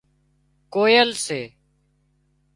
ڪوئيل سي